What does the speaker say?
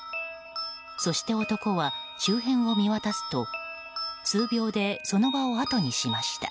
そして、男は周辺を見渡すと数秒でその場を後にしました。